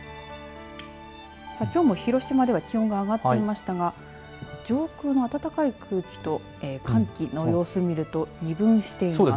きょうも広島では気温が上がっていましたが上空の暖かい空気と寒気の様子を見ると二分しています。